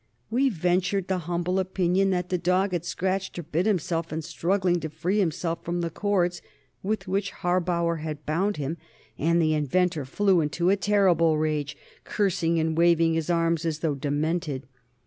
We ventured the humble opinion that the dog had scratched or bit himself in struggling to free himself from the cords with which Harbauer had bound him, and the inventor flew into a terrible rage, cursing and waving his arms as though demented.